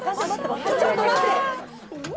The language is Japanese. ちょっと待って。